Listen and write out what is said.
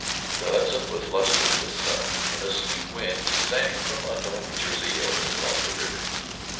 The Hudson was lustrous with sun, and a sweet wind sang from unknown Jersey hills across the river.